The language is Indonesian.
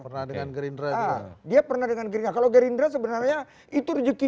pernah dengan gerindra dia pernah dengan gerindra kalau gerindra sebenarnya itu rezeki